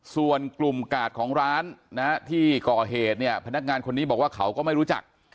ส่วนกลุ่มกาดของร้านที่ก่อเหตุเนี่ยพนักงานคนนี้บอกว่าเขาก็ไม่รู้จัก